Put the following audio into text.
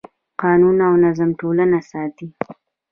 قانون او نظم ټولنه ساتي.